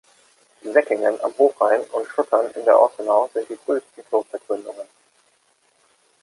Säckingen am Hochrhein und Schuttern in der Ortenau sind die frühesten Klostergründungen.